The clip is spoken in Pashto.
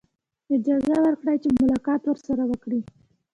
اجازه ورکړي چې ملاقات ورسره وکړي.